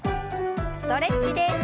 ストレッチです。